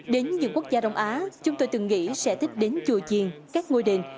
đến những quốc gia đông á chúng tôi từng nghĩ sẽ thích đến chùa chiên các ngôi đền